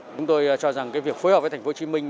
chúng tôi cho rằng cái việc phối hợp với thành phố hồ chí minh